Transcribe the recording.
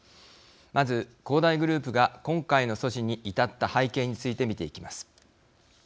まず、恒大グループが今回の措置に至った背景について見ていきます。